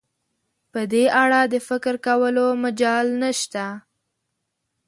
په دې اړه د فکر کولو مجال نشته.